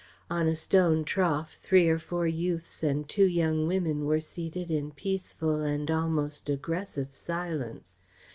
On a stone trough three or four youths and two young women were seated in peaceful and almost aggressive silence.